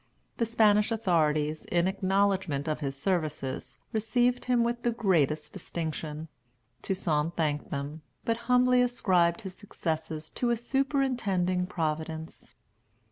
The Spanish authorities, in acknowledgment of his services, received him with the greatest distinction. Toussaint thanked them, but humbly ascribed his successes to a superintending Providence.